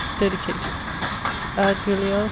Dedicated 'Ad Guliel.